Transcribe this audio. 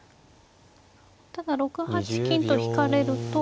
ただ６八金と引かれると。